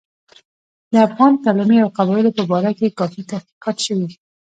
د افغان کلمې او قبایلو په باره کې کافي تحقیقات شوي.